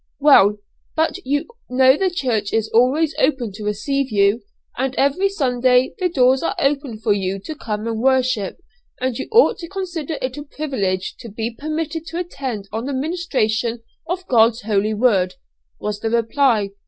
'Well, but you know the church is always open to receive you, and every Sunday the doors are open for you to come and worship; and you ought to consider it a privilege to be permitted to attend on the ministration of God's Holy Word,' was the reply.